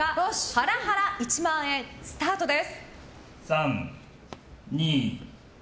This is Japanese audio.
ハラハラ１万円スタートです。